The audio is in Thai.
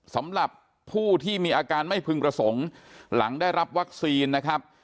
สำหรับผู้ที่มีอาการไม่พึงประสงค์หลังได้รับวัคซีนนะครับ